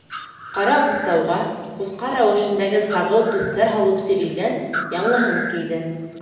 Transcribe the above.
Ҡара буҫтауға ҡусҡар рәүешендәге сағыу төҫтәр һалып сигелгән яңыһын кейҙе.